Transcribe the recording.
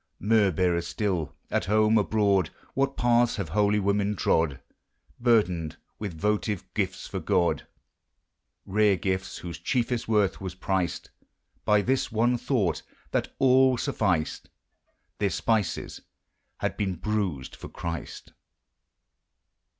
Myrrh bearers still, — at home, abroad, JRThat paths have holy women trod, Burdened with votive gifts for God, — Rare gifts whose ehiefest worth was priced By this one thought, that all sufficed: Their spices had been bruised for Christ!